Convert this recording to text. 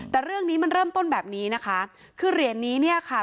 แต่เรื่องนี้มันเริ่มต้นแบบนี้นะคะคือเหรียญนี้เนี่ยค่ะ